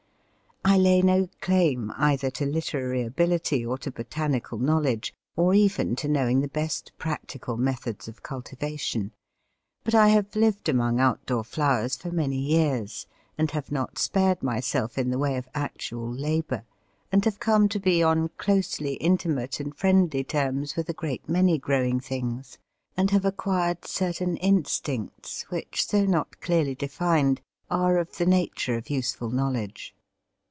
I lay no claim either to literary ability, or to botanical knowledge, or even to knowing the best practical methods of cultivation; but I have lived among outdoor flowers for many years, and have not spared myself in the way of actual labour, and have come to be on closely intimate and friendly terms with a great many growing things, and have acquired certain instincts which, though not clearly defined, are of the nature of useful knowledge.